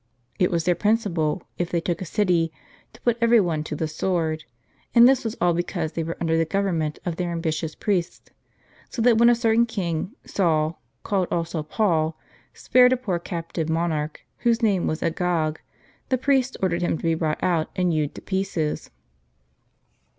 It was their principle, if they took a city, to put every one to the sword ; and this was all because they were under the govern ment of their ambitious priests ; so that when a certain king, Saul, called also Paul, spared a j)Oor captive monarch whose name was Agag, the priests ordered him to be brought out and hewed in pieces.